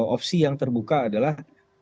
opsi yang terbuka adalah